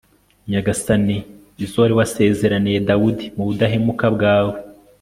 nyagasani, izo wari warasezeraniye dawudi mu budahemuka bwawe